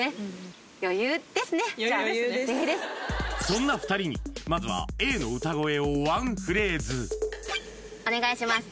そんな２人にまずはＡの歌声をワンフレーズお願いします